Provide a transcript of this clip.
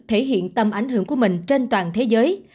thể hiện tầm ảnh hưởng của mình trên toàn thế giới